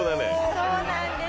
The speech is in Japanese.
そうなんです。